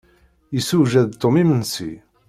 Yessewjad Tom imensi.